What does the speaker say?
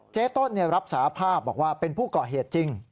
ต้นรับสาภาพบอกว่าเป็นผู้ก่อเหตุจริง